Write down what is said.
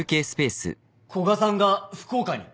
古賀さんが福岡に？